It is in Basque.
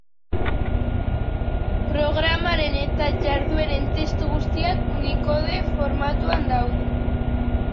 Programaren eta jardueren testu guztiak Unicode formatuan daude.